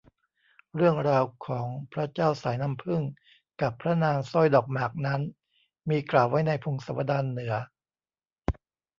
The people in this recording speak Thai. เรื่องราวของพระเจ้าสายน้ำผึ้งกับพระนางสร้อยดอกหมากนั้น มีกล่าวไว้ในพงศาวดารเหนือ